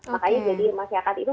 makanya jadi masyarakat itu